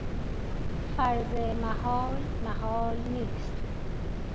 فرض محال محال نیست.